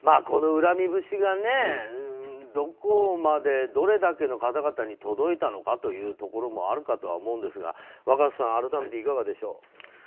この恨み節がどこまでどれだけの方々に届いたのかというところもあるかと思うんですが若狭さん、改めてどうでしょう？